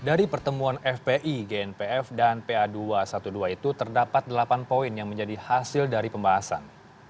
dari pertemuan fpi gnpf dan pa dua ratus dua belas itu terdapat delapan poin yang menjadi hasil dari pembahasan